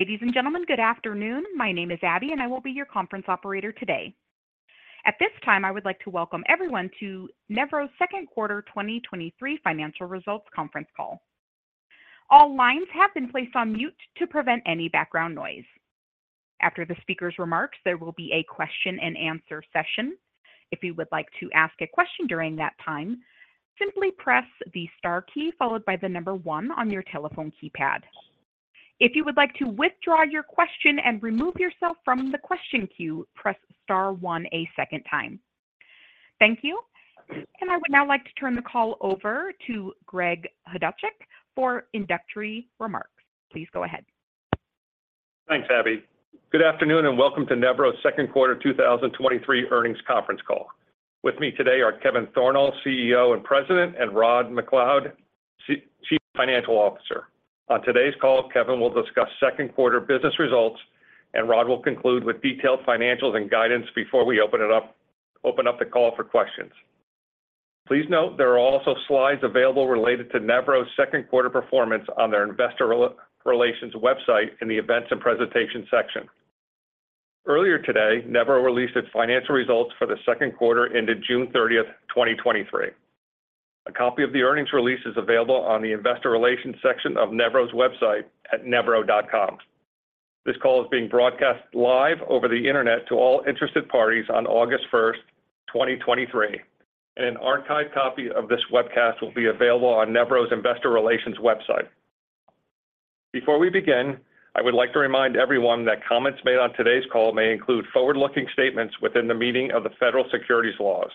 Ladies and gentlemen, good afternoon. My name is Abby, and I will be your conference operator today. At this time, I would like to welcome everyone to Nevro's 2Q 2023 financial results conference call. All lines have been placed on mute to prevent any background noise. After the speaker's remarks, there will be a question-and-answer session. If you would like to ask a question during that time, simply press the star key followed by the number one on your telephone keypad. If you would like to withdraw your question and remove yourself from the question queue, press star one a second time. Thank you, and I would now like to turn the call over to Greg Chodaczek for introductory remarks. Please go ahead. Thanks, Abby. Good afternoon, and welcome to Nevro's 2nd quarter 2023 earnings conference call. With me today are Kevin Thornal, CEO and President, Rod MacLeod, Chief Financial Officer. On today's call, Kevin will discuss 2nd quarter business results, and Rod will conclude with detailed financials and guidance before we open it up, open up the call for questions. Please note, there are also slides available related to Nevro's 2nd quarter performance on their investor relations website in the Events and Presentation section. Earlier today, Nevro released its financial results for the 2nd quarter into June 30, 2023. A copy of the earnings release is available on the Investor Relations section of Nevro's website at nevro.com. This call is being broadcast live over the internet to all interested parties on August 1st, 2023. An archived copy of this webcast will be available on Nevro's Investor Relations website. Before we begin, I would like to remind everyone that comments made on today's call may include forward-looking statements within the meaning of the federal securities laws.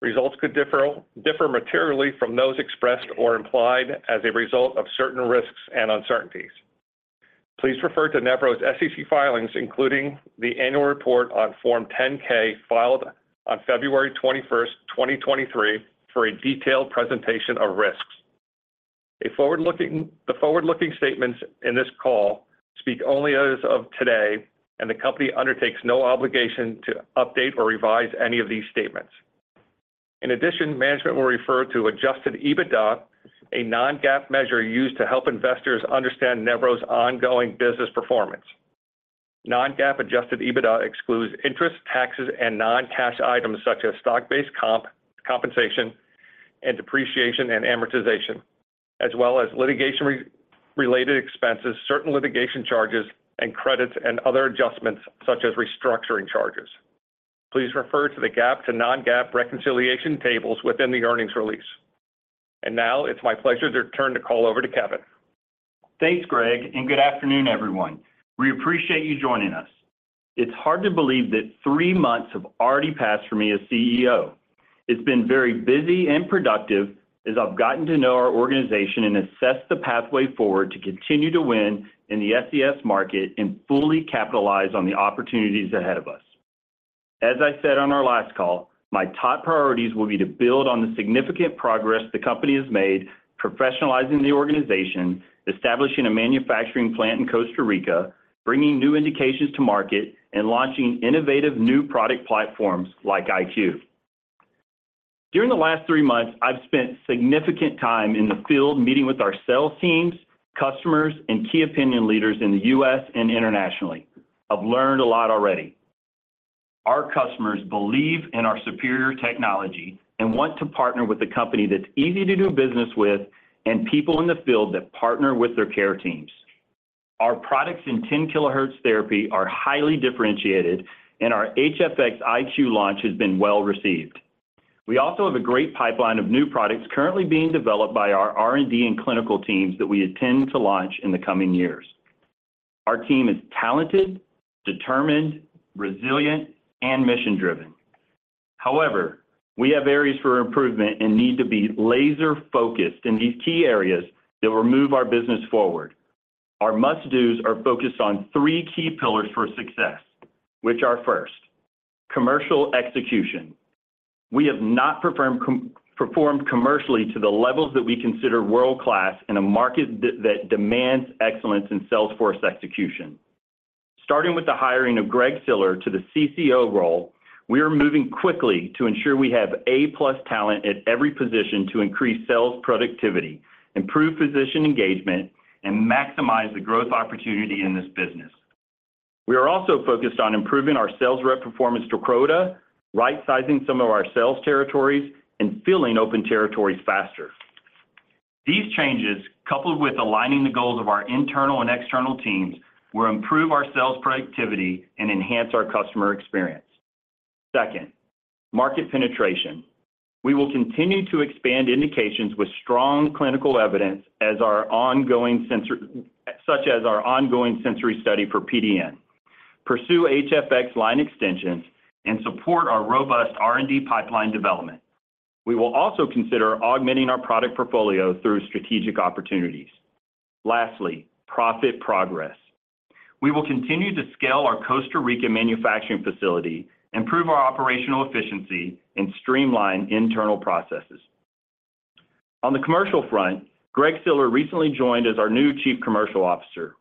Results could differ materially from those expressed or implied as a result of certain risks and uncertainties. Please refer to Nevro's SEC filings, including the annual report on Form 10-K, filed on February 21st, 2023, for a detailed presentation of risks. The forward-looking statements in this call speak only as of today. The company undertakes no obligation to update or revise any of these statements. Management will refer to Adjusted EBITDA, a non-GAAP measure used to help investors understand Nevro's ongoing business performance. Non-GAAP Adjusted EBITDA excludes interest, taxes, and non-cash items such as stock-based compensation, and depreciation and amortization, as well as litigation-related expenses, certain litigation charges, and credits and other adjustments such as restructuring charges. Please refer to the GAAP to non-GAAP reconciliation tables within the earnings release. Now it's my pleasure to turn the call over to Kevin. Thanks, Greg, and good afternoon, everyone. We appreciate you joining us. It's hard to believe that three months have already passed for me as CEO. It's been very busy and productive as I've gotten to know our organization and assess the pathway forward to continue to win in the SCS market and fully capitalize on the opportunities ahead of us. As I said on our last call, my top priorities will be to build on the significant progress the company has made, professionalizing the organization, establishing a manufacturing plant in Costa Rica, bringing new indications to market, and launching innovative new product platforms like iQ. During the last three months, I've spent significant time in the field meeting with our sales teams, customers, and key opinion leaders in the U.S. and internationally. I've learned a lot already. Our customers believe in our superior technology and want to partner with a company that's easy to do business with and people in the field that partner with their care teams. Our products in 10 kHz therapy are highly differentiated, and our HFX iQ launch has been well received. We also have a great pipeline of new products currently being developed by our R&D and clinical teams that we intend to launch in the coming years. Our team is talented, determined, resilient, and mission-driven. However, we have areas for improvement and need to be laser-focused in these key areas that will move our business forward. Our must-dos are focused on three key pillars for success, which are, first, commercial execution. We have not performed commercially to the levels that we consider world-class in a market that demands excellence in sales force execution. Starting with the hiring of Greg Siller to the CCO role, we are moving quickly to ensure we have A+ talent at every position to increase sales productivity, improve physician engagement, and maximize the growth opportunity in this business. We are also focused on improving our sales rep performance to quota, right-sizing some of our sales territories, and filling open territories faster. These changes, coupled with aligning the goals of our internal and external teams, will improve our sales productivity and enhance our customer experience. Second, market penetration. We will continue to expand indications with strong clinical evidence as our ongoing sensor, such as our ongoing Sensory Study for PDN, pursue HFX line extensions, and support our robust R&D pipeline development. We will also consider augmenting our product portfolio through strategic opportunities. Lastly, profit progress. We will continue to scale our Costa Rica manufacturing facility, improve our operational efficiency, and streamline internal processes. On the commercial front, Greg Siller recently joined as our new Chief Commercial Officer.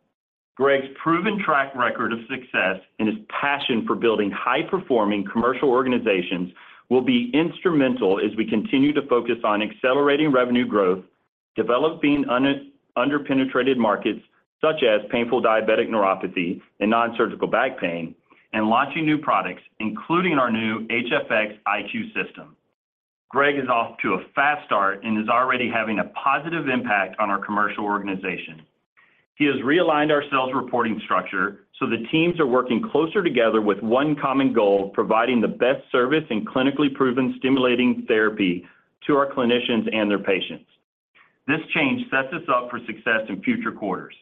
Greg's proven track record of success and his passion for building high-performing commercial organizations will be instrumental as we continue to focus on accelerating revenue growth, developing underpenetrated markets such as painful diabetic neuropathy and nonsurgical back pain. Launching new products, including our new HFX iQ system. Greg is off to a fast start and is already having a positive impact on our commercial organization. He has realigned our sales reporting structure, so the teams are working closer together with one common goal: providing the best service and clinically proven stimulating therapy to our clinicians and their patients. This change sets us up for success in future quarters.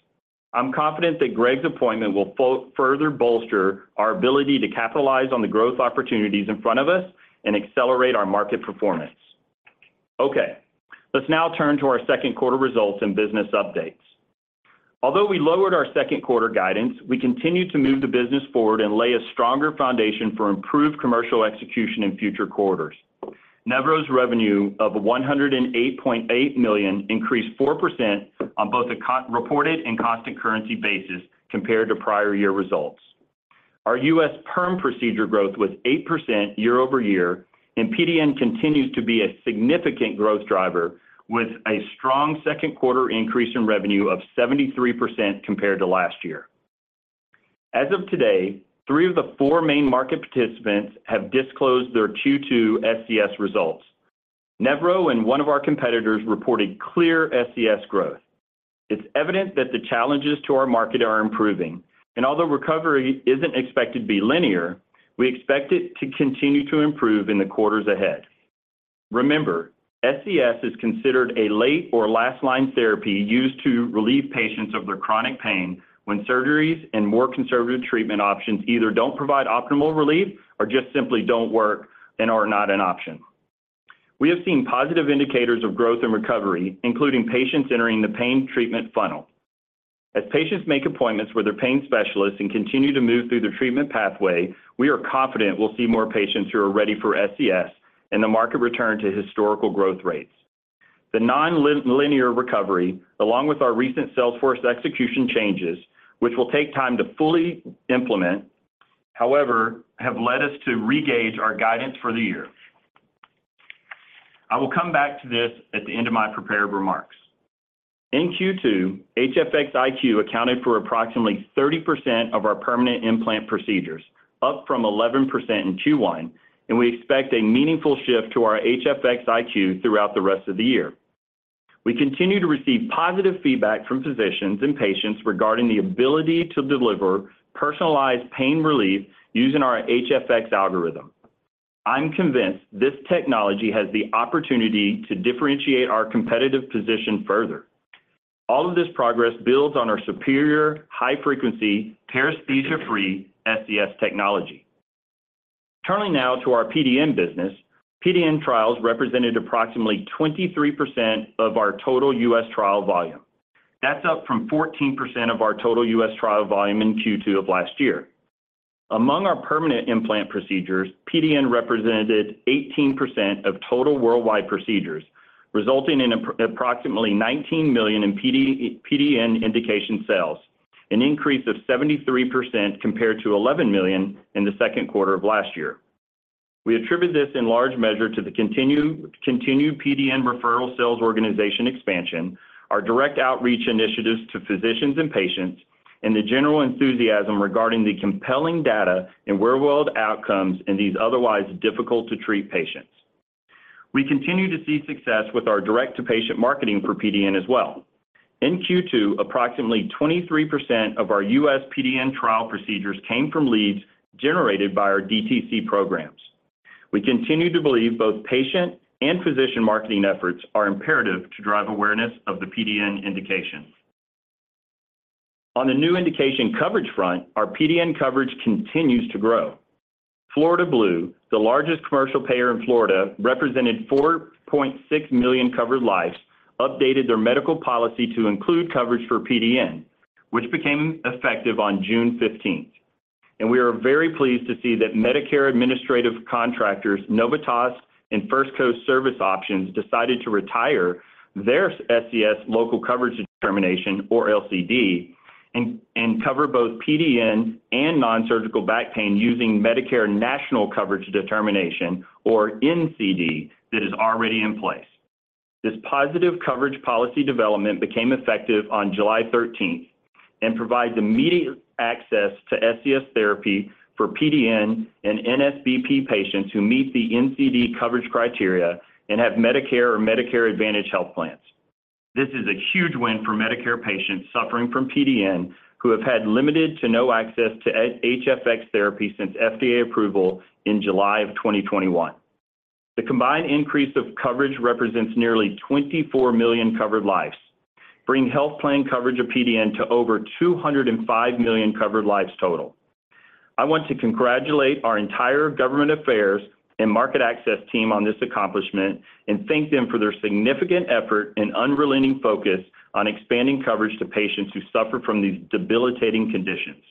I'm confident that Greg's appointment will further bolster our ability to capitalize on the growth opportunities in front of us and accelerate our market performance. Okay, let's now turn to our second quarter results and business updates. Although we lowered our second quarter guidance, we continued to move the business forward and lay a stronger foundation for improved commercial execution in future quarters. Nevro's revenue of $108.8 million increased 4% on both an as reported and constant currency basis compared to prior year results. Our U.S. perm procedure growth was 8% year-over-year, and PDN continues to be a significant growth driver, with a strong second quarter increase in revenue of 73% compared to last year. As of today, three of the four main market participants have disclosed their Q2 SCS results. Nevro and one of our competitors reported clear SCS growth. It's evident that the challenges to our market are improving, and although recovery isn't expected to be linear, we expect it to continue to improve in the quarters ahead. Remember, SCS is considered a late or last-line therapy used to relieve patients of their chronic pain when surgeries and more conservative treatment options either don't provide optimal relief or just simply don't work and are not an option. We have seen positive indicators of growth and recovery, including patients entering the pain treatment funnel. As patients make appointments with their pain specialists and continue to move through the treatment pathway, we are confident we'll see more patients who are ready for SCS and the market return to historical growth rates. The nonlinear recovery, along with our recent sales force execution changes, which will take time to fully implement, however, have led us to re-gauge our guidance for the year. I will come back to this at the end of my prepared remarks. In Q2, HFX iQ accounted for approximately 30% of our permanent implant procedures, up from 11% in Q1, and we expect a meaningful shift to our HFX iQ throughout the rest of the year. We continue to receive positive feedback from physicians and patients regarding the ability to deliver personalized pain relief using our HFX Algorithm. I'm convinced this technology has the opportunity to differentiate our competitive position further. All of this progress builds on our superior high-frequency, paresthesia-free SCS technology. Turning now to our PDN business, PDN trials represented approximately 23% of our total U.S. trial volume. That's up from 14% of our total U.S. trial volume in Q2 of last year. Among our permanent implant procedures, PDN represented 18% of total worldwide procedures, resulting in approximately $19 million in PDN indication sales, an increase of 73% compared to $11 million in the second quarter of last year. We attribute this in large measure to the continued PDN referral sales organization expansion, our direct outreach initiatives to physicians and patients, and the general enthusiasm regarding the compelling data and real-world outcomes in these otherwise difficult-to-treat patients. We continue to see success with our direct-to-patient marketing for PDN as well. In Q2, approximately 23% of our U.S. PDN trial procedures came from leads generated by our DTC programs. We continue to believe both patient and physician marketing efforts are imperative to drive awareness of the PDN indication. On the new indication coverage front, our PDN coverage continues to grow. Florida Blue, the largest commercial payer in Florida, represented 4.6 million covered lives, updated their medical policy to include coverage for PDN, which became effective on June 15th. We are very pleased to see that Medicare Administrative Contractors, Novitas and First Coast Service Options, decided to retire their SCS Local Coverage Determination, or LCD, and cover both PDN and nonsurgical back pain using Medicare National Coverage Determination, or NCD, that is already in place. This positive coverage policy development became effective on July 13th and provides immediate access to SCS therapy for PDN and NSBP patients who meet the NCD coverage criteria and have Medicare or Medicare Advantage health plans. This is a huge win for Medicare patients suffering from PDN, who have had limited to no access to HFX therapy since FDA approval in July 2021. The combined increase of coverage represents nearly 24 million covered lives, bringing health plan coverage of PDN to over 205 million covered lives total. I want to congratulate our entire Government Affairs and Market Access team on this accomplishment and thank them for their significant effort and unrelenting focus on expanding coverage to patients who suffer from these debilitating conditions.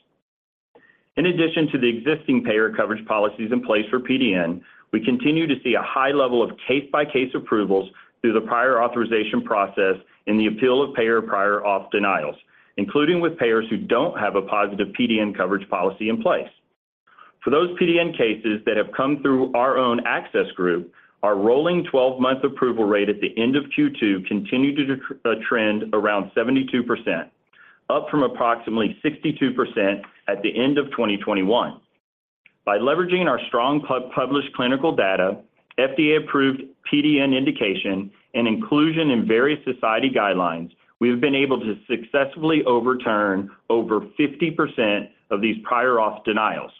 In addition to the existing payer coverage policies in place for PDN, we continue to see a high level of case-by-case approvals through the prior authorization process and the appeal of payer prior auth denials, including with payers who don't have a positive PDN coverage policy in place. For those PDN cases that have come through our own access group, our rolling 12-month approval rate at the end of Q2 continued to trend around 72%, up from approximately 62% at the end of 2021. By leveraging our strong published clinical data, FDA-approved PDN indication, and inclusion in various society guidelines, we have been able to successfully overturn over 50% of these prior auth denials.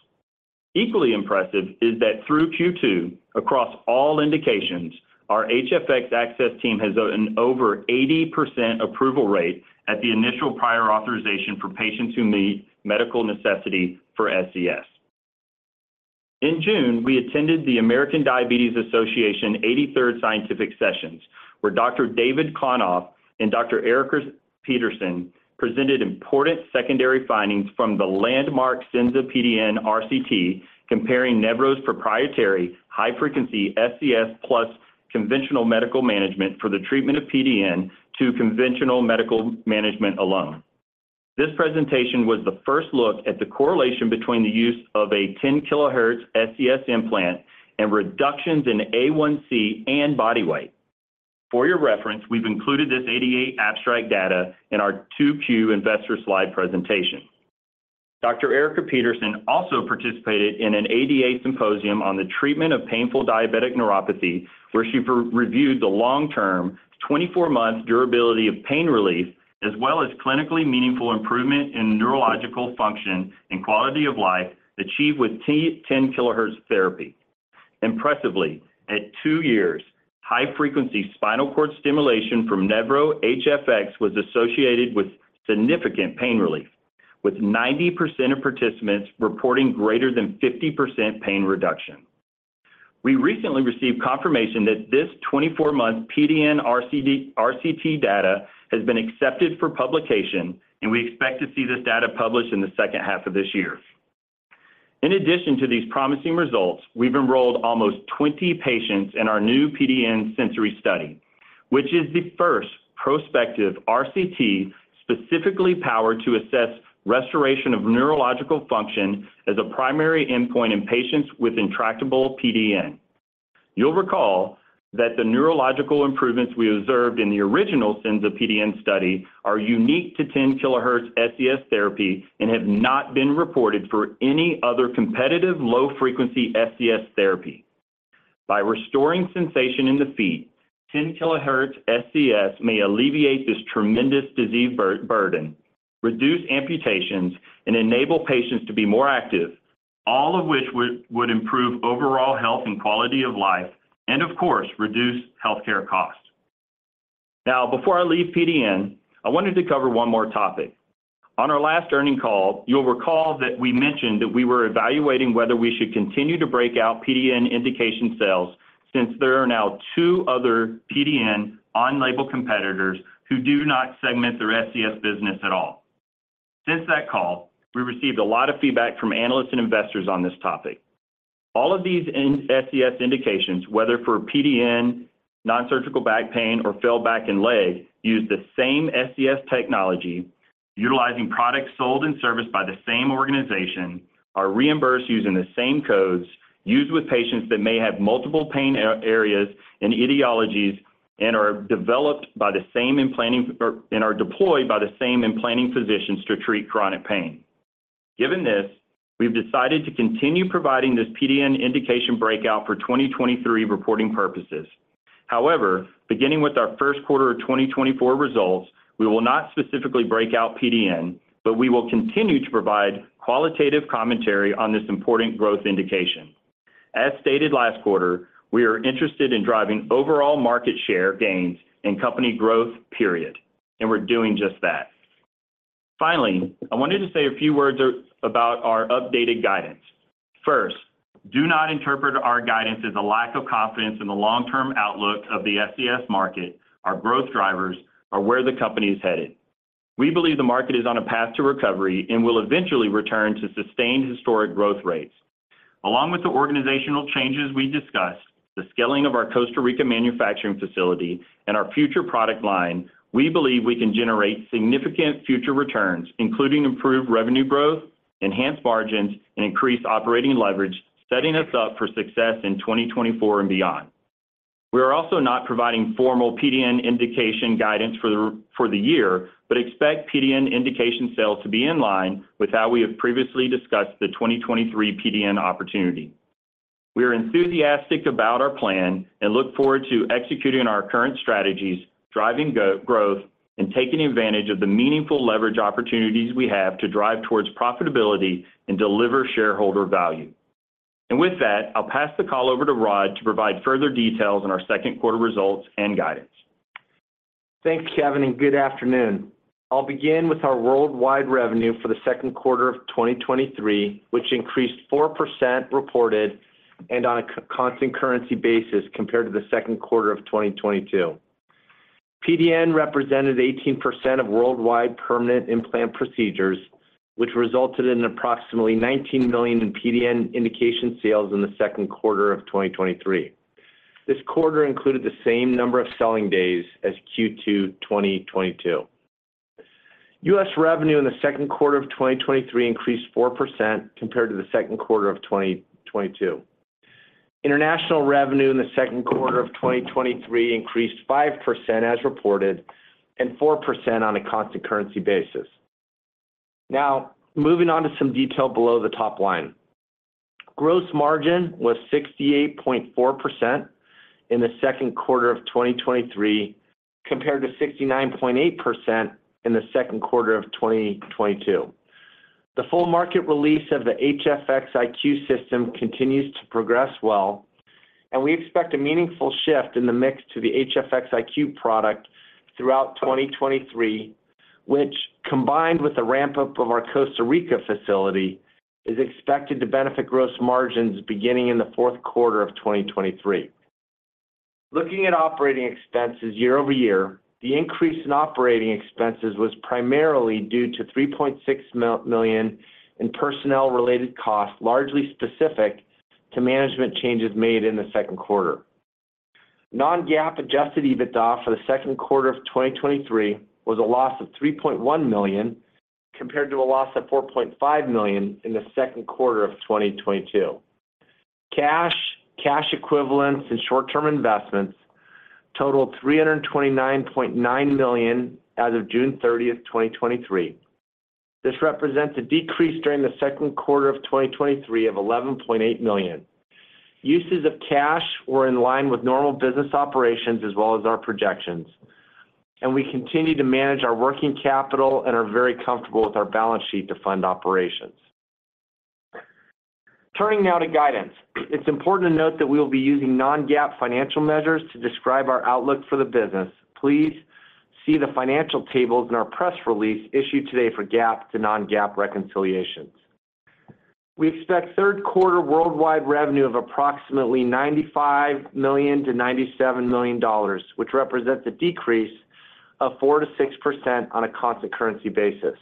Equally impressive is that through Q2, across all indications, our HFX Access team has an over 80% approval rate at the initial prior authorization for patients who meet medical necessity for SCS. In June, we attended the American Diabetes Association 83rd Scientific Sessions, where Dr. David Klonoff and Dr. Erika Petersen presented important secondary findings from the landmark SENZA-PDN RCT, comparing Nevro's proprietary high-frequency SCS plus conventional medical management for the treatment of PDN to conventional medical management alone. This presentation was the first look at the correlation between the use of a 10 kHz SCS implant and reductions in A1C and body weight. For your reference, we've included this ADA abstract data in our 2Q investor slide presentation. Dr. Erika Petersen also participated in an ADA symposium on the treatment of painful diabetic neuropathy, where she re-reviewed the long-term 24-month durability of pain relief, as well as clinically meaningful improvement in neurological function and quality of life achieved with 10 kHz therapy. Impressively, at two years, high-frequency spinal cord stimulation from Nevro HFX was associated with significant pain relief, with 90% of participants reporting greater than 50% pain reduction. We recently received confirmation that this 24-month PDN RCD-RCT data has been accepted for publication, and we expect to see this data published in the second half of this year. In addition to these promising results, we've enrolled almost 20 patients in our new PDN Sensory Study, which is the first prospective RCT specifically powered to assess restoration of neurological function as a primary endpoint in patients with intractable PDN. You'll recall that the neurological improvements we observed in the original SENZA-PDN study are unique to 10 kHz SCS therapy and have not been reported for any other competitive low-frequency SCS therapy. By restoring sensation in the feet, 10 kHz SCS may alleviate this tremendous disease burden, reduce amputations, and enable patients to be more active, all of which would improve overall health and quality of life, and of course, reduce healthcare costs. Now, before I leave PDN, I wanted to cover one more topic. On our last earnings call, you'll recall that we mentioned that we were evaluating whether we should continue to break out PDN indication sales since there are now two other PDN on-label competitors who do not segment their SCS business at all. Since that call, we received a lot of feedback from analysts and investors on this topic. All of these in SCS indications, whether for PDN, nonsurgical back pain, or failed back and leg, use the same SCS technology, utilizing products sold and serviced by the same organization, are reimbursed using the same codes, used with patients that may have multiple pain areas and etiologies, and are developed by the same or and are deployed by the same implanting physicians to treat chronic pain. Given this, we've decided to continue providing this PDN indication breakout for 2023 reporting purposes. However, beginning with our first quarter of 2024 results, we will not specifically break out PDN, but we will continue to provide qualitative commentary on this important growth indication. As stated last quarter, we are interested in driving overall market share gains and company growth, period, and we're doing just that. Finally, I wanted to say a few words about our updated guidance. First, do not interpret our guidance as a lack of confidence in the long-term outlook of the SCS market, our growth drivers, or where the company is headed. We believe the market is on a path to recovery and will eventually return to sustained historic growth rates. Along with the organizational changes we discussed, the scaling of our Costa Rica manufacturing facility, and our future product line, we believe we can generate significant future returns, including improved revenue growth, enhanced margins, and increased operating leverage, setting us up for success in 2024 and beyond. We are also not providing formal PDN indication guidance for the year, but expect PDN indication sales to be in line with how we have previously discussed the 2023 PDN opportunity. We are enthusiastic about our plan and look forward to executing our current strategies, driving growth, and taking advantage of the meaningful leverage opportunities we have to drive towards profitability and deliver shareholder value. With that, I'll pass the call over to Rod to provide further details on our second quarter results and guidance. Thanks, Kevin. Good afternoon. I'll begin with our worldwide revenue for the second quarter of 2023, which increased 4% reported and on a constant currency basis compared to the second quarter of 2022. PDN represented 18% of worldwide permanent implant procedures, which resulted in approximately $19 million in PDN indication sales in the second quarter of 2023. This quarter included the same number of selling days as Q2 2022. U.S. revenue in the second quarter of 2023 increased 4% compared to the second quarter of 2022. International revenue in the second quarter of 2023 increased 5% as reported, and 4% on a constant currency basis. Moving on to some detail below the top line. Gross margin was 68.4% in the second quarter of 2023, compared to 69.8% in the second quarter of 2022. The full market release of the HFX iQ system continues to progress well, and we expect a meaningful shift in the mix to the HFX iQ product throughout 2023, which, combined with the ramp-up of our Costa Rica facility, is expected to benefit gross margins beginning in the fourth quarter of 2023. Looking at operating expenses year-over-year, the increase in operating expenses was primarily due to $3.6 million in personnel-related costs, largely specific to management changes made in the second quarter. Non-GAAP Adjusted EBITDA for the second quarter of 2023 was a loss of $3.1 million, compared to a loss of $4.5 million in the second quarter of 2022. Cash, cash equivalents and short-term investments totaled $329.9 million as of June 30, 2023. This represents a decrease during the second quarter of 2023 of $11.8 million. Uses of cash were in line with normal business operations as well as our projections. We continue to manage our working capital and are very comfortable with our balance sheet to fund operations. Turning now to guidance. It's important to note that we will be using non-GAAP financial measures to describe our outlook for the business. Please see the financial tables in our press release issued today for GAAP to non-GAAP reconciliations. We expect third quarter worldwide revenue of approximately $95 million-$97 million, which represents a decrease of 4%-6% on a constant currency basis.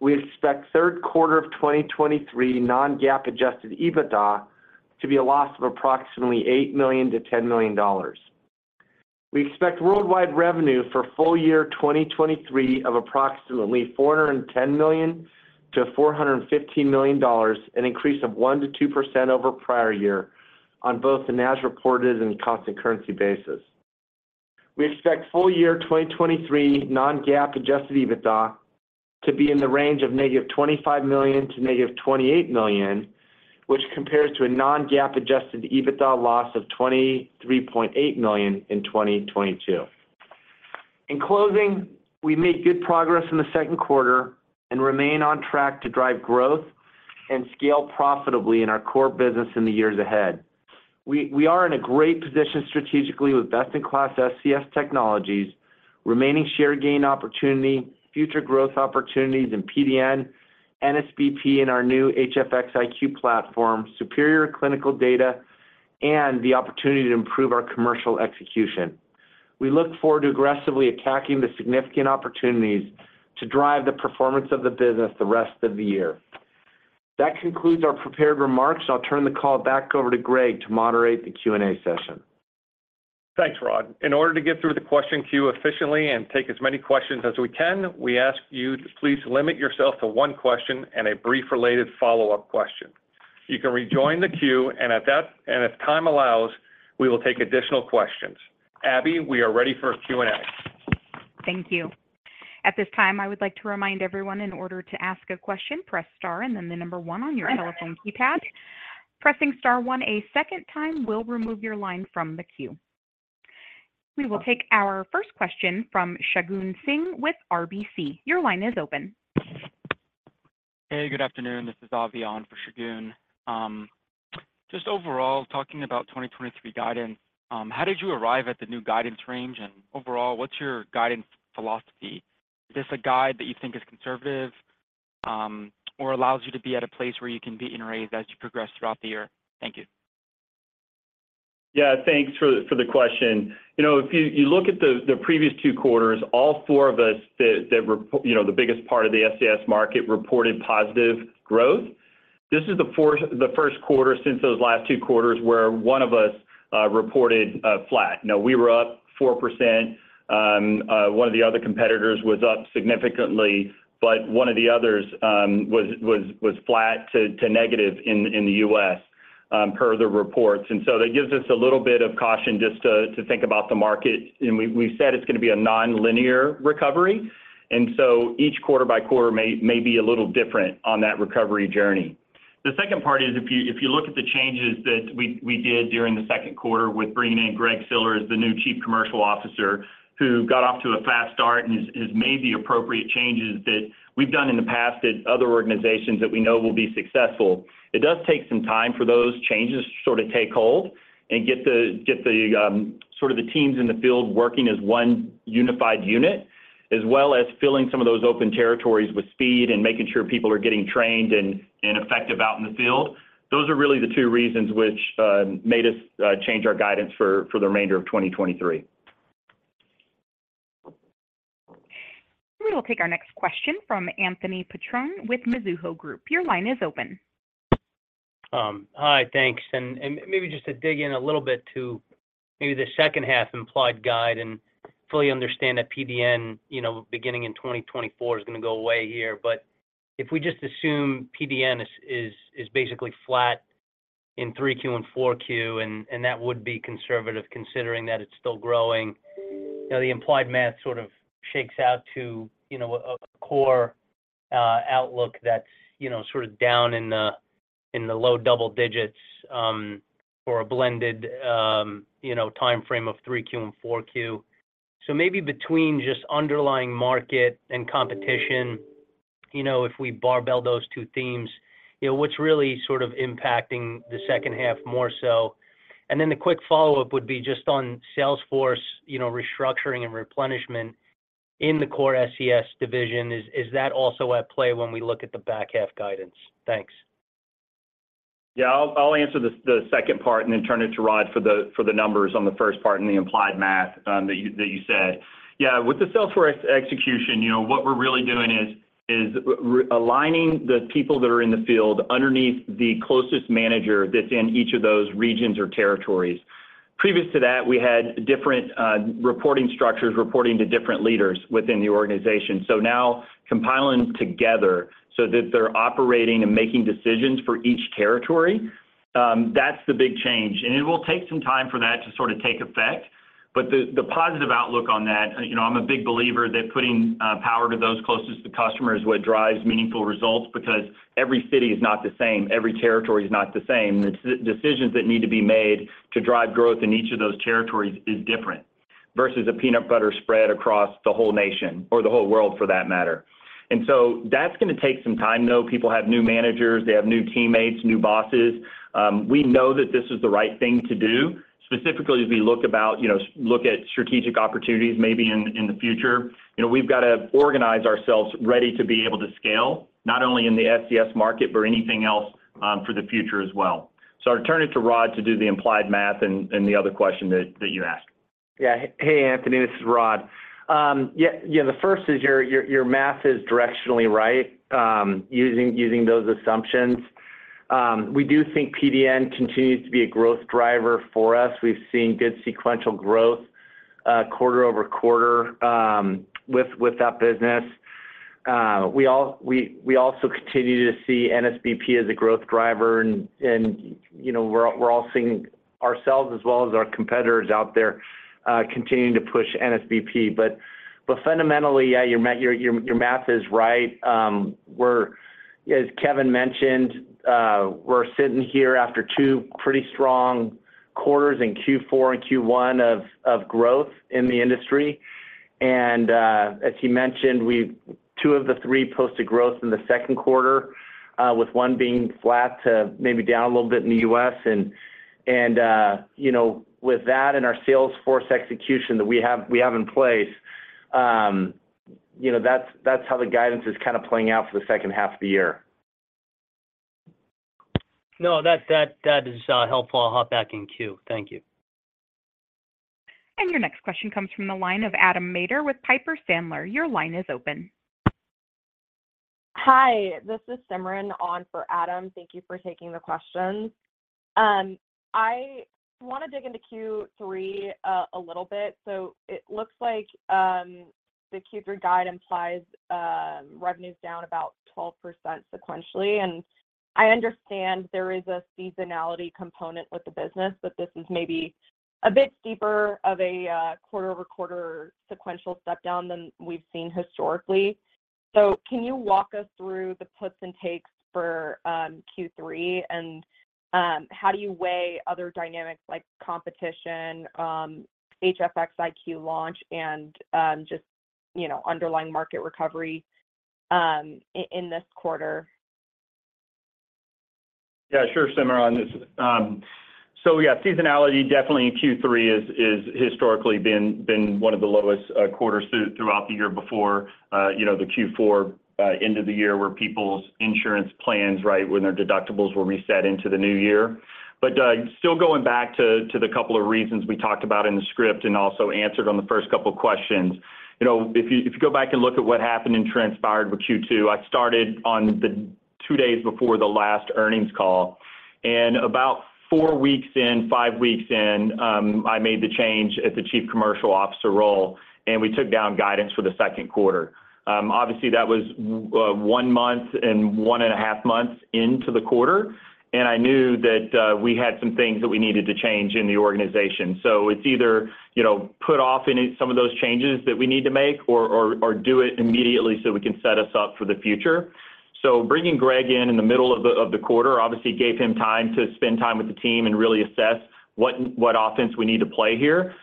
We expect third quarter of 2023 non-GAAP Adjusted EBITDA to be a loss of approximately $8 million-$10 million. We expect worldwide revenue for full year 2023 of approximately $410 million-$415 million, an increase of 1%-2% over prior year on both the as reported and constant currency basis. We expect full year 2023 non-GAAP Adjusted EBITDA to be in the range of -$25 million to -$28 million, which compares to a non-GAAP Adjusted EBITDA loss of $23.8 million in 2022. In closing, we made good progress in the second quarter and remain on track to drive growth and scale profitably in our core business in the years ahead. We are in a great position strategically with best-in-class SCS technologies, remaining share gain opportunity, future growth opportunities in PDN, NSBP, and our new HFX iQ platform, superior clinical data, and the opportunity to improve our commercial execution. We look forward to aggressively attacking the significant opportunities to drive the performance of the business the rest of the year. That concludes our prepared remarks. I'll turn the call back over to Greg to moderate the Q&A session. Thanks, Rod. In order to get through the question queue efficiently and take as many questions as we can, we ask you to please limit yourself to one question and a brief related follow-up question. You can rejoin the queue, and if time allows, we will take additional questions. Abby, we are ready for Q&A. Thank you. At this time, I would like to remind everyone in order to ask a question, press star and then the number one on your telephone keypad. Pressing star one a second time will remove your line from the queue. We will take our first question from Shagun Singh with RBC. Your line is open. Hey, good afternoon. This is Avian for Shagun. Just overall, talking about 2023 guidance, how did you arrive at the new guidance range? Overall, what's your guidance philosophy? Is this a guide that you think is conservative, or allows you to be at a place where you can be in a raise as you progress throughout the year? Thank you. Yeah, thanks for, for the question. You know, if you, you look at the, the previous two quarters, all four of us that, that you know, the biggest part of the SCS market, reported positive growth. This is the first quarter since those last two quarters where one of us reported flat. Now, we were up 4%, one of the other competitors was up significantly, but one of the others was, was, was flat to, to negative in, in the U.S., per the reports. So that gives us a little bit of caution just to, to think about the market. We've, we've said it's going to be a nonlinear recovery, and so each quarter-by-quarter may, may be a little different on that recovery journey. The second part is if you, if you look at the changes that we, we did during the second quarter with bringing in Greg Siller as the new Chief Commercial Officer, who got off to a fast start and has, has made the appropriate changes that we've done in the past at other organizations that we know will be successful. It does take some time for those changes to sort of take hold and get the, get the, sort of the teams in the field working as one unified unit, as well as filling some of those open territories with speed and making sure people are getting trained and, and effective out in the field. Those are really the two reasons which made us change our guidance for, for the remainder of 2023. We will take our next question from Anthony Petrone with Mizuho Group. Your line is open. Hi, thanks. Maybe just to dig in a little bit to maybe the second half implied guide and fully understand that PDN, you know, beginning in 2024 is gonna go away here. If we just assume PDN is basically flat in 3Q and 4Q, and that would be conservative, considering that it's still growing. You know, the implied math sort of shakes out to, you know, a core outlook that's, you know, sort of down in the low double digits for a blended, you know, time frame of 3Q and 4Q. Maybe between just underlying market and competition, you know, if we barbell those two themes, you know, what's really sort of impacting the second half more so? Then the quick follow-up would be just on sales force, you know, restructuring and replenishment in the core SCS division. Is that also at play when we look at the back half guidance? Thanks. Yeah. I'll, I'll answer the, the second part and then turn it to Rod for the, for the numbers on the first part and the implied math, that you, that you said. Yeah, with the sales force execution, you know, what we're really doing is, is aligning the people that are in the field underneath the closest manager that's in each of those regions or territories. Previous to that, we had different, reporting structures reporting to different leaders within the organization. Now compiling together so that they're operating and making decisions for each territory, that's the big change, and it will take some time for that to sort of take effect. The, the positive outlook on that, you know, I'm a big believer that putting power to those closest to customers is what drives meaningful results, because every city is not the same, every territory is not the same. The decisions that need to be made to drive growth in each of those territories is different, versus a peanut butter spread across the whole nation or the whole world, for that matter. So that's gonna take some time, though. People have new managers. They have new teammates, new bosses. We know that this is the right thing to do. Specifically, as we look about, you know, look at strategic opportunities, maybe in, in the future, you know, we've got to organize ourselves ready to be able to scale, not only in the SCS market, but anything else for the future as well. I'll turn it to Rod to do the implied math and, and the other question that, that you asked. Yeah. Hey, Anthony, this is Rod. Yeah, yeah, the first is your, your, your math is directionally right, using, using those assumptions. We do think PDN continues to be a growth driver for us. We've seen good sequential growth, quarter-over-quarter, with, with that business. We also continue to see NSBP as a growth driver, and, and, you know, we're all, we're all seeing ourselves as well as our competitors out there, continuing to push NSBP. Fundamentally, yeah, your, your, your math is right. We're-- As Kevin mentioned, we're sitting here after two pretty strong quarters in Q4 and Q1 of, of growth in the industry, and, as he mentioned, we've two of the three posted growth in the second quarter, with 1 being flat to maybe down a little bit in the U.S. You know, with that and our sales force execution that we have, we have in place, you know, that's, that's how the guidance is kind of playing out for the second half of the year. No, that, that, that is helpful. I'll hop back in queue. Thank you. Your next question comes from the line of Adam Maeder with Piper Sandler. Your line is open. Hi, this is Simran on for Adam. Thank you for taking the questions. I want to dig into Q3 a little bit. It looks like the Q3 guide implies revenues down about 12% sequentially, and I understand there is a seasonality component with the business, but this is maybe a bit steeper of a quarter-over-quarter sequential step down than we've seen historically. Can you walk us through the puts and takes for Q3, and how do you weigh other dynamics like competition, HFX iQ launch, and just, you know, underlying market recovery in this quarter? Yeah, sure, Simran. Yeah, seasonality definitely in Q3 is historically been one of the lowest quarters throughout the year before, you know, the Q4 end of the year, where people's insurance plans, right, when their deductibles were reset into the new year. Still going back to the couple of reasons we talked about in the script and also answered on the first couple of questions. You know, if you go back and look at what happened and transpired with Q2, I started on the two days before the last earnings call, and about four weeks in, five weeks in, I made the change at the Chief Commercial Officer role, and we took down guidance for the second quarter. Obviously, that was one month and 1.5 months into the quarter, I knew that we had some things that we needed to change in the organization. It's either, you know, put off in some of those changes that we need to make or, or, or do it immediately so we can set us up for the future. Bringing Greg in in the middle of the, of the quarter, obviously gave him time to spend time with the team and really assess what, what offense we need to play here.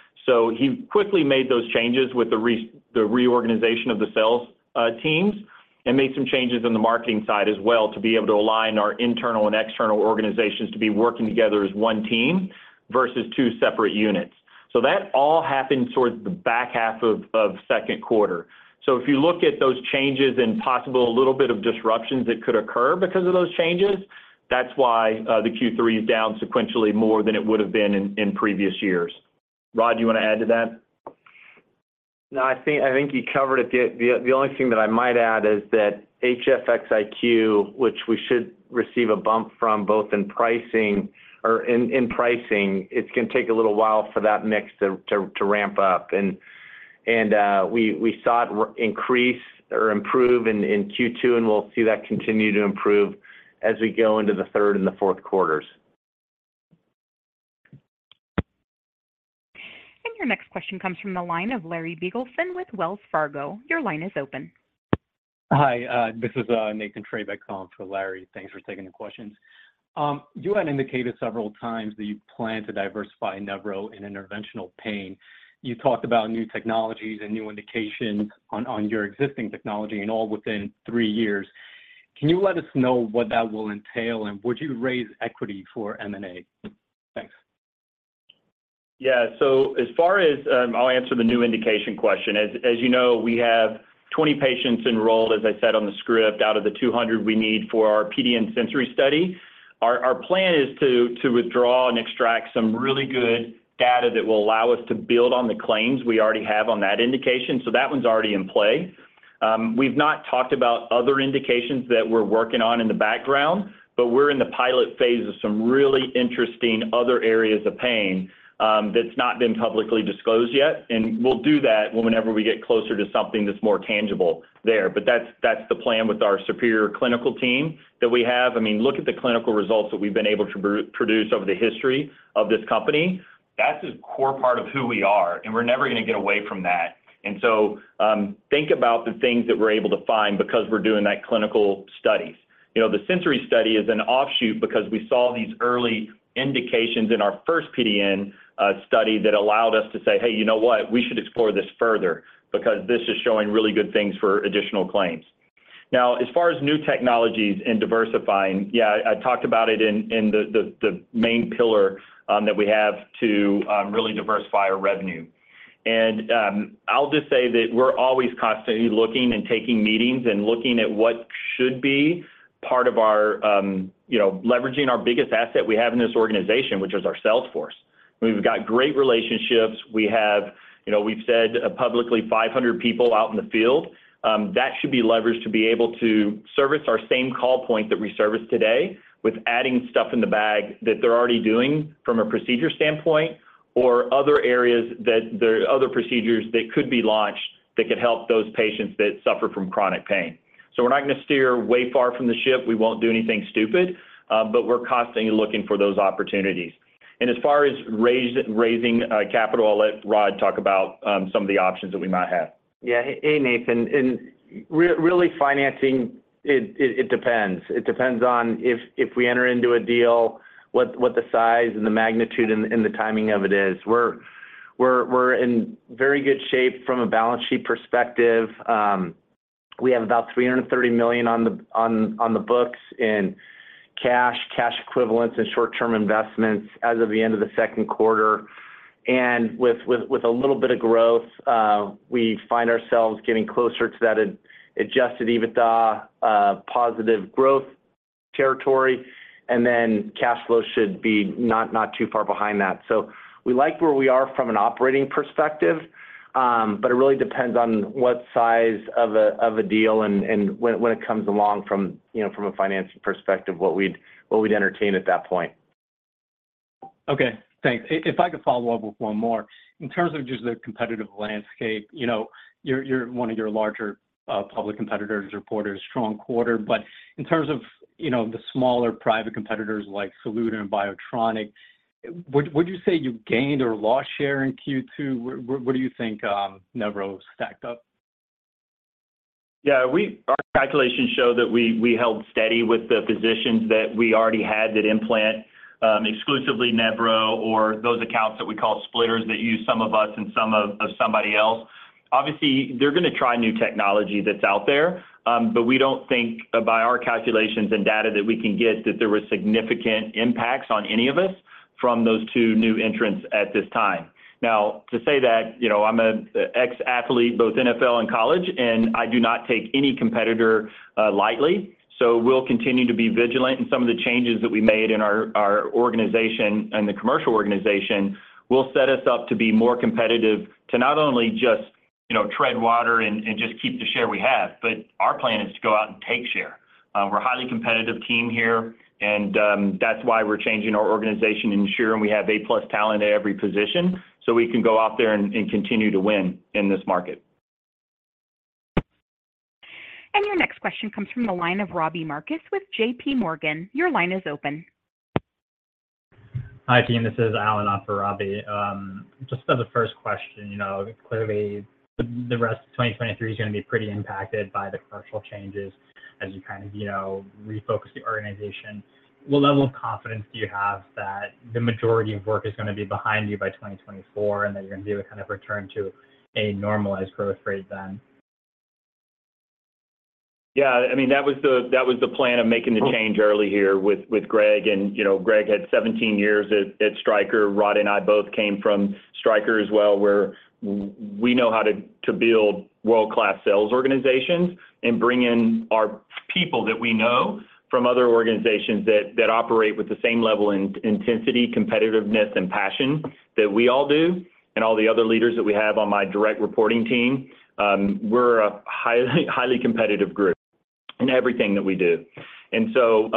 He quickly made those changes with the re- the reorganization of the sales teams and made some changes on the marketing side as well, to be able to align our internal and external organizations to be working together as one team versus two separate units. That all happened towards the back half of second quarter. If you look at those changes and possible a little bit of disruptions that could occur because of those changes, that's why the Q3 is down sequentially more than it would have been in previous years. Rod, do you want to add to that? No, I think, I think you covered it. The only thing that I might add is that HFX iQ, which we should receive a bump from both in pricing, it's going to take a little while for that mix to ramp up. And we saw it increase or improve in Q2, and we'll see that continue to improve as we go into the third and the fourth quarters. Your next question comes from the line of Larry Biegelsen with Wells Fargo. Your line is open. Hi, this is Nathan Treybeck calling for Larry. Thanks for taking the questions. You had indicated several times that you plan to diversify Nevro in interventional pain. You talked about new technologies and new indications on your existing technology and all within three years. Can you let us know what that will entail, and would you raise equity for M&A? Thanks. Yeah. As far as, I'll answer the new indication question. As you know, we have 20 patients enrolled, as I said on the script, out of the 200 we need for our PDN Sensory Study. Our plan is to withdraw and extract some really good data that will allow us to build on the claims we already have on that indication, so that one's already in play. We've not talked about other indications that we're working on in the background, but we're in the pilot phase of some really interesting other areas of pain that's not been publicly disclosed yet. We'll do that whenever we get closer to something that's more tangible there. But that's the plan with our superior clinical team that we have. I mean, look at the clinical results that we've been able to produce over the history of this company. That's a core part of who we are, and we're never gonna get away from that. So, think about the things that we're able to find because we're doing that clinical studies. You know, the Sensory Study is an offshoot because we saw these early indications in our first PDN study that allowed us to say, "Hey, you know what? We should explore this further because this is showing really good things for additional claims." Now, as far as new technologies and diversifying, yeah, I talked about it in, in the, the, the main pillar that we have to really diversify our revenue. I'll just say that we're always constantly looking and taking meetings and looking at what should be part of our, you know, leveraging our biggest asset we have in this organization, which is our sales force. We've got great relationships. We have, you know, we've said publicly, 500 people out in the field, that should be leveraged to be able to service our same call point that we service today, with adding stuff in the bag that they're already doing from a procedure standpoint, or other areas that there are other procedures that could be launched that could help those patients that suffer from chronic pain. We're not gonna steer way far from the ship. We won't do anything stupid, but we're constantly looking for those opportunities. As far as raise- raising, capital, I'll let Rod talk about some of the options that we might have. Yeah. Hey, Nathan. Really financing, it, it, it depends. It depends on if, if we enter into a deal, what, what the size and the magnitude and, and the timing of it is. We're, we're, we're in very good shape from a balance sheet perspective. We have about $330 million on the, on, on the books in cash, cash equivalents, and short-term investments as of the end of the second quarter. With, with, with a little bit of growth, we find ourselves getting closer to that Adjusted EBITDA positive growth territory, and then cash flow should be not, not too far behind that. We like where we are from an operating perspective, but it really depends on what size of a, of a deal and, and when, when it comes along from, you know, from a financing perspective, what we'd, what we'd entertain at that point. Okay, thanks. If, if I could follow up with one more. In terms of just the competitive landscape, you know, one of your larger public competitors reported a strong quarter, but in terms of, you know, the smaller private competitors like Saluda and Biotronik, would, would you say you gained or lost share in Q2? Where, where, where do you think Nevro stacked up? Yeah, we our calculations show that we, we held steady with the physicians that we already had that implant, exclusively Nevro, or those accounts that we call splitters, that use some of us and some of, of somebody else. Obviously, they're gonna try new technology that's out there, but we don't think by our calculations and data that we can get, that there were significant impacts on any of us from those two new entrants at this time. To say that, you know, I'm an ex-athlete, both NFL and college, and I do not take any competitor, lightly, we'll continue to be vigilant. Some of the changes that we made in our organization and the commercial organization will set us up to be more competitive, to not only just, you know, tread water and just keep the share we have, but our plan is to go out and take share. We're a highly competitive team here, and that's why we're changing our organization and ensuring we have A+ talent at every position, so we can go out there and continue to win in this market. Your next question comes from the line of Robbie Marcus with JPMorgan. Your line is open. Hi, team, this is Allen, not for Robbie. Just for the first question, you know, clearly, the, the rest of 2023 is gonna be pretty impacted by the commercial changes as you kind of, you know, refocus the organization. What level of confidence do you have that the majority of work is gonna be behind you by 2024, and that you're gonna be able to kind of return to a normalized growth rate then? Yeah, I mean, that was the, that was the plan of making the change early here with Greg. You know, Greg had 17 years at Stryker. Rod and I both came from Stryker as well, where we know how to build world-class sales organizations and bring in our people that we know from other organizations that operate with the same level in intensity, competitiveness, and passion that we all do, and all the other leaders that we have on my direct reporting team, we're a highly, highly competitive group in everything that we do. So,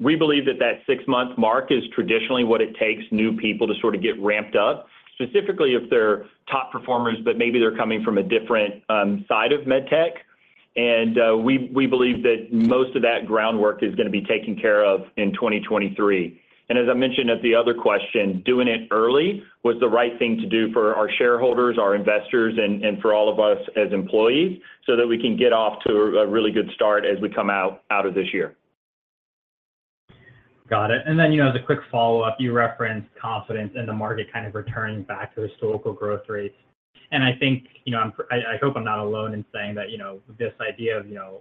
we believe that that six month mark is traditionally what it takes new people to sort of get ramped up, specifically if they're top performers, but maybe they're coming from a different side of med tech. We, we believe that most of that groundwork is gonna be taken care of in 2023. As I mentioned at the other question, doing it early was the right thing to do for our shareholders, our investors, and, and for all of us as employees, so that we can get off to a, a really good start as we come out, out of this year. Got it. Then, you know, as a quick follow-up, you referenced confidence in the market kind of returning back to historical growth rates. I think, you know, I hope I'm not alone in saying that, you know, this idea of, you know,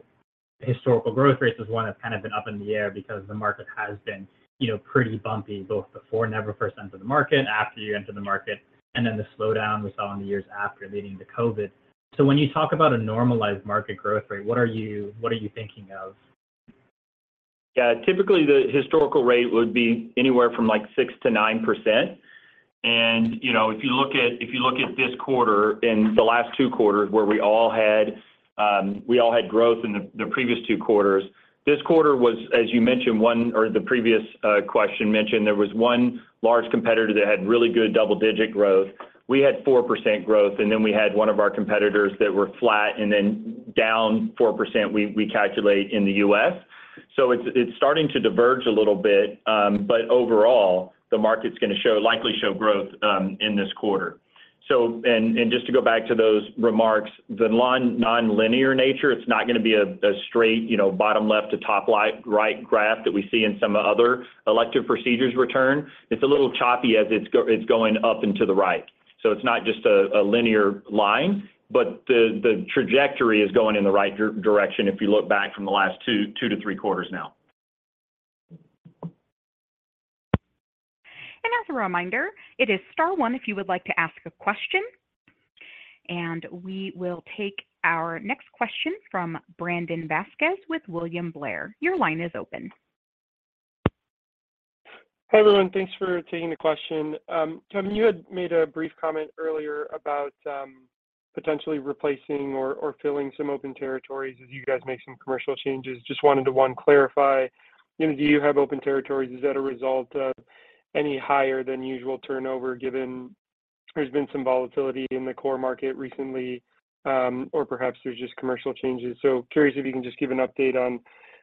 historical growth rates is one that's kind of been up in the air because the market has been, you know, pretty bumpy, both before Nevro first entered the market, after you entered the market, and then the slowdown we saw in the years after leading to COVID. When you talk about a normalized market growth rate, what are you, what are you thinking of? Yeah, typically, the historical rate would be anywhere from, like, 6%-9%. You know, if you look at, if you look at this quarter and the last two quarters where we all had, we all had growth in the, the previous two quarters, this quarter was, as you mentioned, or the previous question mentioned, there was one large competitor that had really good double-digit growth. We had 4% growth, and then we had one of our competitors that were flat and then down 4%, we, we calculate in the U.S. It's, it's starting to diverge a little bit, but overall, the market's gonna show, likely show growth, in this quarter. Just to go back to those remarks, the non-nonlinear nature, it's not gonna be a, a straight, you know, bottom left to top light, right graph that we see in some other elective procedures return. It's a little choppy as it's going up and to the right. It's not just a, a linear line, but the, the trajectory is going in the right direction if you look back from the last two, two to three quarters now. As a reminder, it is star one if you would like to ask a question. We will take our next question from Brandon Vazquez with William Blair. Your line is open. Hi, everyone. Thanks for taking the question. Kevin, you had made a brief comment earlier about potentially replacing or, or filling some open territories as you guys make some commercial changes. Just wanted to, one, clarify, you know, do you have open territories? Is that a result of any higher than usual turnover, given there's been some volatility in the core market recently, or perhaps there's just commercial changes? Curious if you can just give an update on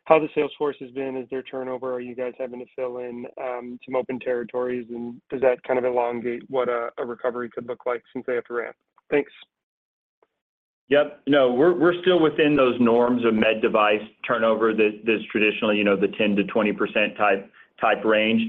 how the sales force has been. Is there turnover? Are you guys having to fill in some open territories, and does that kind of elongate what a, a recovery could look like since they have to ramp? Thanks. Yep. No, we're, we're still within those norms of med device turnover. There's traditionally, you know, the 10%-20% type, type range.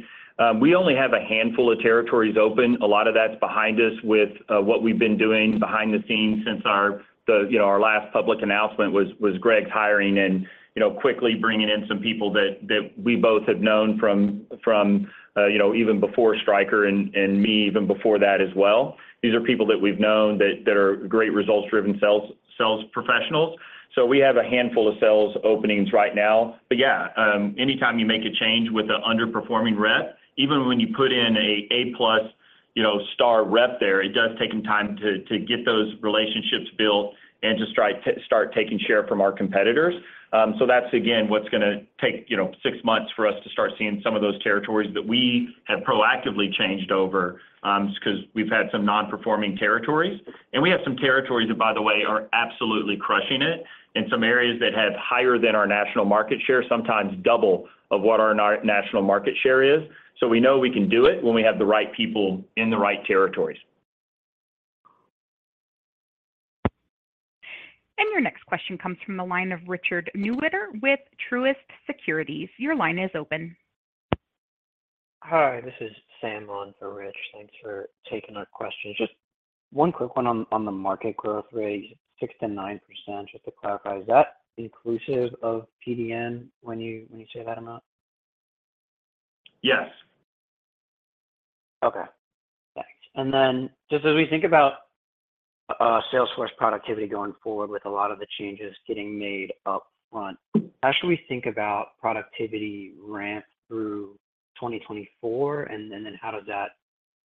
We only have a handful of territories open. A lot of that's behind us with what we've been doing behind the scenes since our, you know, our last public announcement was Greg's hiring and, you know, quickly bringing in some people that, that we both have known from, from, you know, even before Stryker and, and me, even before that as well. These are people that we've known that, that are great results-driven sales, sales professionals. So we have a handful of sales openings right now. Yeah, anytime you make a change with an underperforming rep, even when you put in a A+, you know, star rep there, it does take them time to, to get those relationships built and to start taking share from our competitors. That's again, what's gonna take, you know, six months for us to start seeing some of those territories that we have proactively changed over, 'cause we've had some non-performing territories. We have some territories that, by the way, are absolutely crushing it in some areas that have higher than our national market share, sometimes double of what our national market share is. We know we can do it when we have the right people in the right territories. Your next question comes from the line of Richard Newitter with Truist Securities. Your line is open. Hi, this is Sam on for Rich. Thanks for taking our questions. Just one quick one on, on the market growth rate, 6%-9%, just to clarify, is that inclusive of PDN when you, when you say that amount? Yes. Okay, thanks. Then just as we think about, Salesforce productivity going forward with a lot of the changes getting made up front, how should we think about productivity ramp through 2024? And then how does that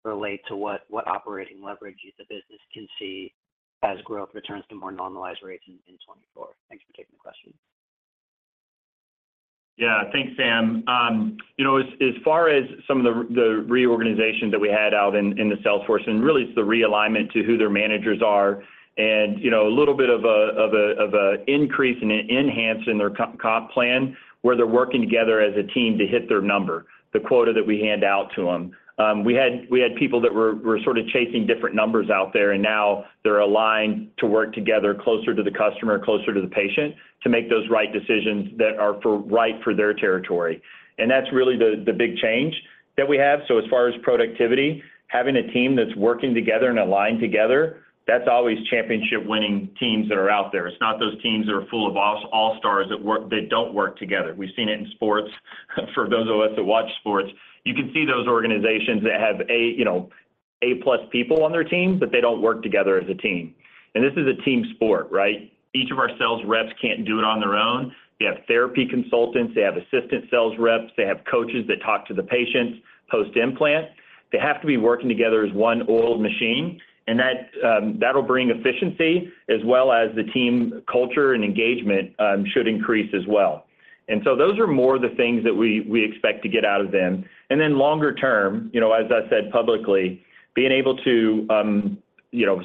relate to what, what operating leverage the business can see as growth returns to more normalized rates in, in 2024? Thanks for taking the question. Yeah, thanks, Sam. You know, as, as far as some of the, the reorganization that we had out in, in the Salesforce, really it's the realignment to who their managers are and, you know, a little bit of a increase and an enhance in their co- comp plan, where they're working together as a team to hit their number, the quota that we hand out to them. We had, we had people that were, were sort of chasing different numbers out there, and now they're aligned to work together closer to the customer, closer to the patient, to make those right decisions that are for right for their territory. That's really the, the big change that we have. As far as productivity, having a team that's working together and aligned together, that's always championship-winning teams that are out there. It's not those teams that are full of all-stars that don't work together. We've seen it in sports. For those of us that watch sports, you can see those organizations that have a, you know, A+ people on their team, but they don't work together as a team. This is a team sport, right? Each of our sales reps can't do it on their own. They have therapy consultants, they have assistant sales reps, they have coaches that talk to the patients post-implant. They have to be working together as one oiled machine, and that that'll bring efficiency as well as the team culture and engagement should increase as well. So those are more of the things that we, we expect to get out of them. Then longer term, you know, as I said publicly, being able to, you know,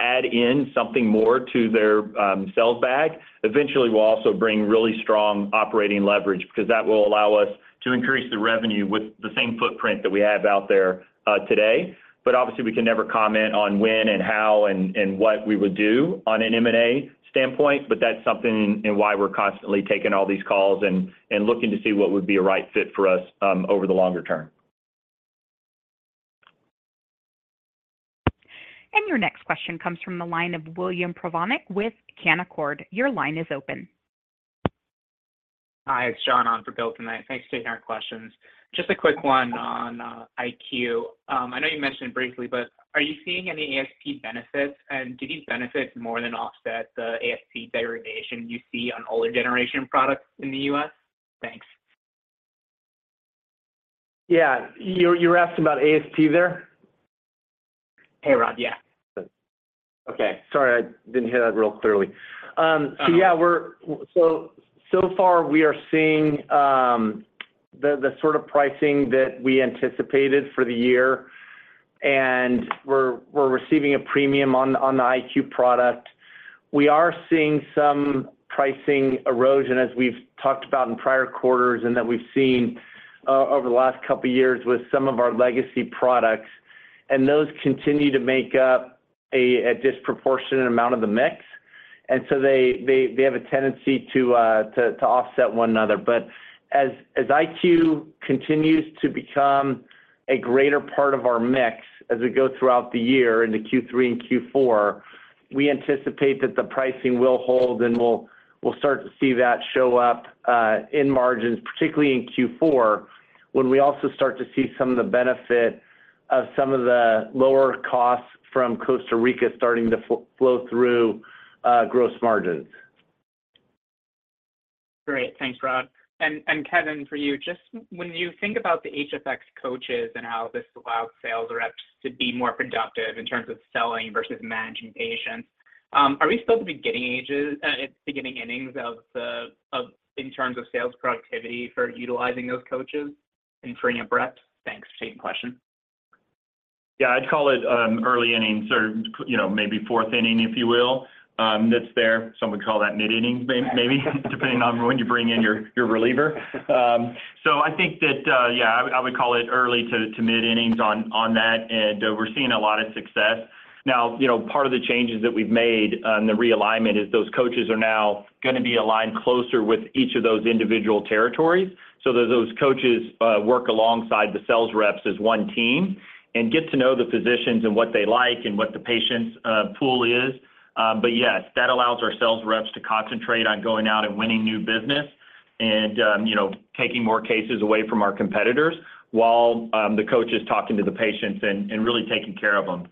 add in something more to their sales bag, eventually will also bring really strong operating leverage, because that will allow us to increase the revenue with the same footprint that we have out there today. Obviously, we can never comment on when and how and, and what we would do on an M&A standpoint, but that's something and why we're constantly taking all these calls and, and looking to see what would be a right fit for us over the longer term. Your next question comes from the line of William Plovanic with Canaccord. Your line is open. Hi, it's John on for Bill tonight. Thanks for taking our questions. Just a quick one on iQ. I know you mentioned briefly, but are you seeing any ASP benefits, and do these benefits more than offset the ASP degradation you see on older generation products in the U.S.? Thanks. Yeah, you, you were asking about ASP there? Hey, Rod. Yeah. Okay. Sorry, I didn't hear that real clearly. Uh- Yeah, we're so, so far, we are seeing the sort of pricing that we anticipated for the year, and we're receiving a premium on the iQ product. We are seeing some pricing erosion, as we've talked about in prior quarters and that we've seen over the last couple of years with some of our legacy products, and those continue to make up a disproportionate amount of the mix. They have a tendency to offset one another. As iQ continues to become a greater part of our mix as we go throughout the year into Q3 and Q4, we anticipate that the pricing will hold, and we'll start to see that show up in margins, particularly in Q4, when we also start to see some of the benefit of some of the lower costs from Costa Rica starting to flow through gross margins. Great. Thanks, Rod. Kevin, for you, just when you think about the HFX Coaches and how this allows sales reps to be more productive in terms of selling versus managing patients, are we still at the beginning ages, beginning innings in terms of sales productivity for utilizing those Coaches and bringing up rep? Thanks. Same question. Yeah, I'd call it, early innings or, you know, maybe fourth inning, if you will. It's there. Some would call that mid-inning, maybe, depending on when you bring in your, your reliever. So I think that, yeah, I, I would call it early to, to mid-innings on, on that, and we're seeing a lot of success. Now, you know, part of the changes that we've made and the realignment is those coaches are now gonna be aligned closer with each of those individual territories, so that those coaches, work alongside the sales reps as one team and get to know the physicians and what they like and what the patient's, pool is. Yes, that allows our sales reps to concentrate on going out and winning new business and, you know, taking more cases away from our competitors while the coach is talking to the patients and really taking care of them.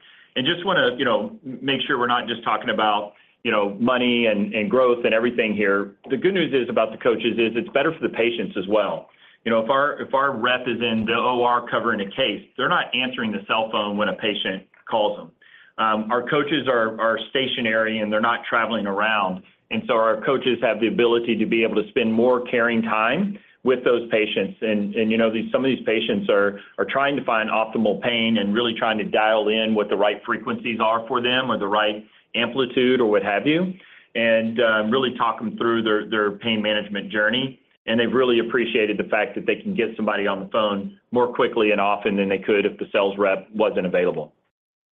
Just wanna, you know, make sure we're not just talking about, you know, money and growth and everything here. The good news is about the coaches is it's better for the patients as well. You know, if our, if our rep is in the OR covering a case, they're not answering the cell phone when a patient calls them. Our coaches are stationary, and they're not traveling around. So our coaches have the ability to be able to spend more caring time with those patients. And, you know, these, some of these patients are, are trying to find optimal pain and really trying to dial in what the right frequencies are for them or the right amplitude or what have you, and really talk them through their, their pain management journey. They've really appreciated the fact that they can get somebody on the phone more quickly and often than they could if the sales rep wasn't available.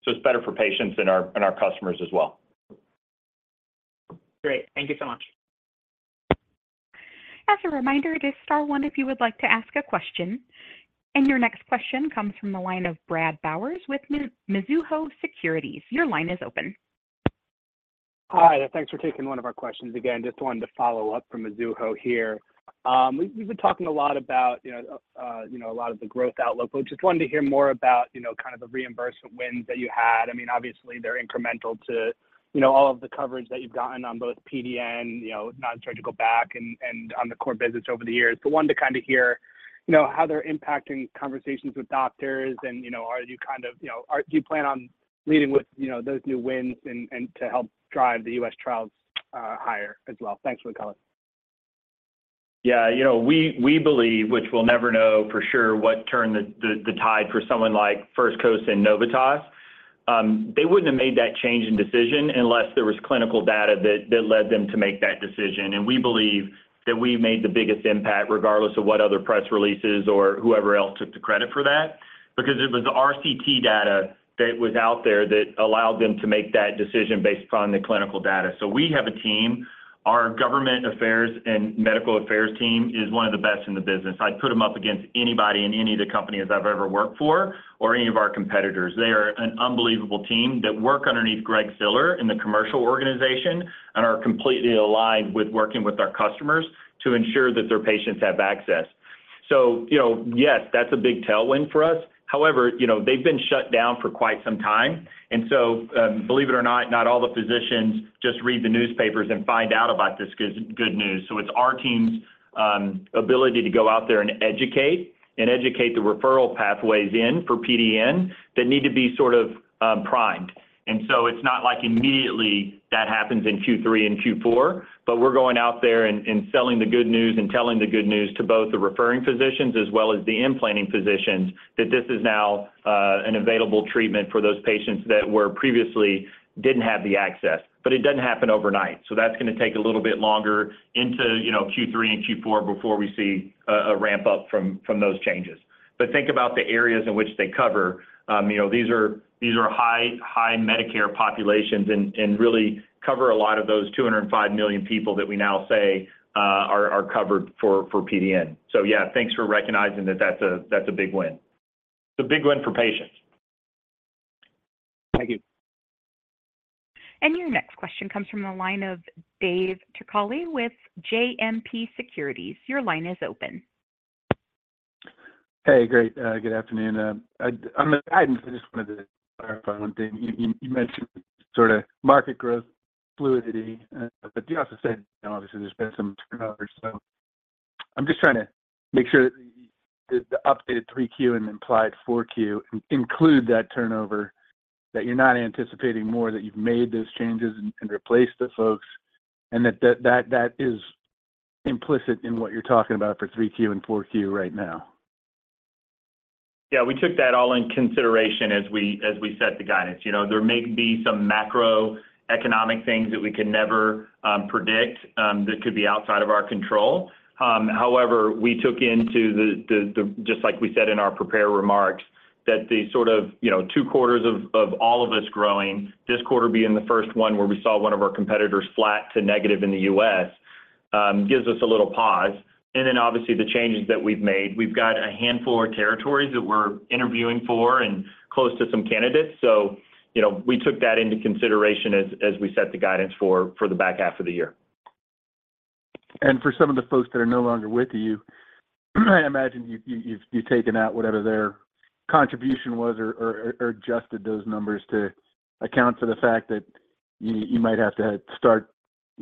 It's better for patients and our, and our customers as well. Great. Thank you so much. As a reminder, it is star one if you would like to ask a question. Your next question comes from the line of Bradley Bowers with Mizuho Securities. Your line is open. Hi, thanks for taking one of our questions again. Just wanted to follow up from Mizuho here. We've, we've been talking a lot about, you know, you know, a lot of the growth outlook, but just wanted to hear more about, you know, kind of the reimbursement wins that you had. I mean, obviously, they're incremental to, you know, all of the coverage that you've gotten on both PDN and, you know, nonsurgical back and, and on the core business over the years. But wanted to kind of hear, you know, how they're impacting conversations with doctors and, you know, are you kind of-- You know, are, do you plan on leading with, you know, those new wins and, and to help drive the U.S. trials higher as well? Thanks for the call. Yeah, you know, we, we believe, which we'll never know for sure, what turned the, the, the tide for someone like First Coast and Novitas. They wouldn't have made that change in decision unless there was clinical data that led them to make that decision. We believe that we made the biggest impact, regardless of what other press releases or whoever else took the credit for that, because it was the RCT data that was out there that allowed them to make that decision based upon the clinical data. We have a team. Our government affairs and medical affairs team is one of the best in the business. I'd put them up against anybody in any of the companies I've ever worked for or any of our competitors. They are an unbelievable team that work underneath Greg Siller in the commercial organization and are completely aligned with working with our customers to ensure that their patients have access. You know, yes, that's a big tailwind for us. However, you know, they've been shut down for quite some time, and believe it or not, not all the physicians just read the newspapers and find out about this good, good news. It's our team's ability to go out there and educate, and educate the referral pathways in for PDN that need to be sort of primed. It's not like immediately that happens in Q3 and Q4, but we're going out there and, and selling the good news and telling the good news to both the referring physicians as well as the implanting physicians, that this is now an available treatment for those patients that were previously didn't have the access. It doesn't happen overnight, so that's gonna take a little bit longer into, you know, Q3 and Q4 before we see a ramp-up from, from those changes. Think about the areas in which they cover. You know, these are, these are high, high Medicare populations and, and really cover a lot of those 205 million people that we now say, are covered for, for PDN. Yeah, thanks for recognizing that that's a, that's a big win. It's a big win for patients. Thank you. Your next question comes from the line of Dave Turkaly with JMP Securities. Your line is open. Hey, great. Good afternoon. On the guidance, I just wanted to clarify one thing. You, you, you mentioned sort of market growth fluidity, but you also said, you know, obviously there's been some turnover. I'm just trying to make sure that the, the updated 3Q and implied 4Q include that turnover, that you're not anticipating more, that you've made those changes and, and replaced the folks, and that, that, that is implicit in what you're talking about for 3Q and 4Q right now? Yeah, we took that all in consideration as we, as we set the guidance. You know, there may be some macroeconomic things that we can never predict that could be outside of our control. However, we took into the just like we said in our prepared remarks, that the sort of, you know, two quarters of, of all of us growing, this quarter being the first one where we saw one of our competitors flat to negative in the U.S., gives us a little pause. Obviously, the changes that we've made. We've got a handful of territories that we're interviewing for and close to some candidates. You know, we took that into consideration as, as we set the guidance for, for the back half of the year. For some of the folks that are no longer with you, I imagine you've taken out whatever their contribution was or adjusted those numbers to account for the fact that you might have to start,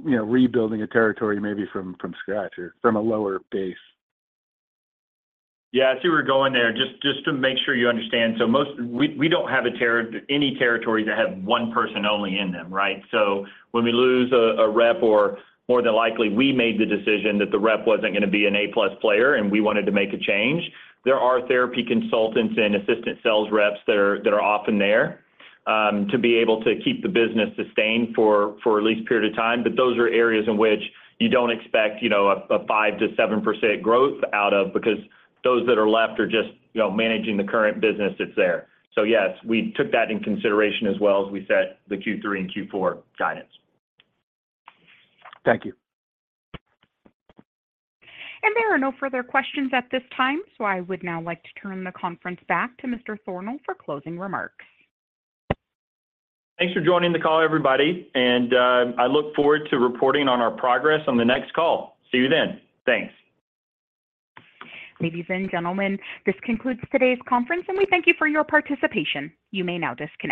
you know, rebuilding a territory maybe from scratch or from a lower base. Yeah, I see where you're going there. Just, just to make sure you understand, most, we don't have any territory that has one person only in them, right? When we lose a, a rep or more than likely, we made the decision that the rep wasn't gonna be an A+ player, and we wanted to make a change. There are therapy consultants and assistant sales reps that are often there to be able to keep the business sustained for at least a period of time. Those are areas in which you don't expect, you know, a 5%-7% growth out of because those that are left are just, you know, managing the current business that's there. Yes, we took that into consideration as well as we set the Q3 and Q4 guidance. Thank you. There are no further questions at this time, so I would now like to turn the conference back to Mr. Thornal for closing remarks. Thanks for joining the call, everybody, and, I look forward to reporting on our progress on the next call. See you then. Thanks. Ladies and gentlemen, this concludes today's conference. We thank you for your participation. You may now disconnect.